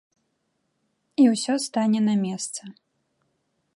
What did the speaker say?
І ўсё стане на месца.